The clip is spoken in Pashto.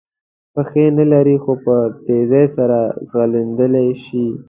پښې نه لري خو په تېزۍ سره ځغلېدلای شي.